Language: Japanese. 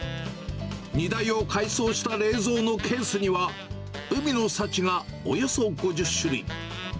荷台を改装した冷蔵のケースには、海の幸がおよそ５０種類。